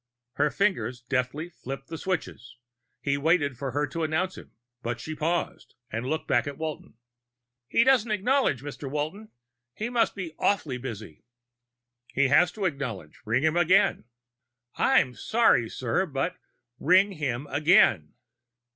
Her fingers deftly flipped the switches. He waited for her to announce him, but she paused and looked back at Walton. "He doesn't acknowledge, Mr. Walton. He must be awfully busy." "He has to acknowledge. Ring him again." "I'm sorry, sir, but " "_Ring him again.